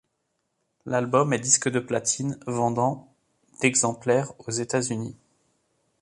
L'album est disque de platine, vendant d'exemplaires aux États-Unis.